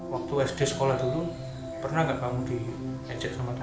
waktu sd sekolah dulu pernah gak kamu diecek sama teman teman